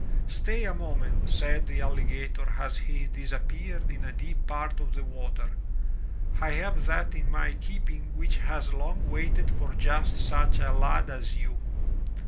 "Stay a moment," said the alligator as he disappeared in a deep part of the water. "I have that in my keeping which has long waited for just such a lad as you."